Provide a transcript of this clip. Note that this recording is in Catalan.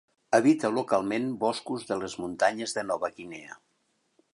Habita localment boscos de les muntanyes de Nova Guinea.